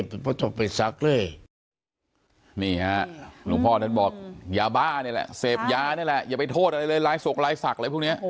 อย่าไปโทษอะไรเลยสกรายปราณภาพสักรายและพวกนี้